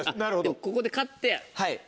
ここで勝って？